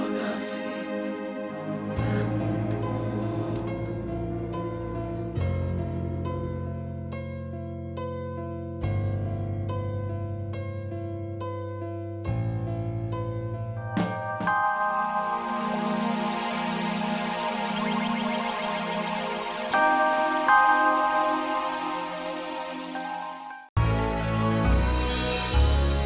lutut terima kasih